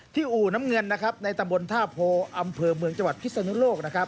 ที่อู่น้ำเงินในตำบลท่าโพออำเภอเมืองจังหวัดพิษณุนโลก